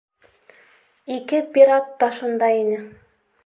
Ике пират та шунда ине.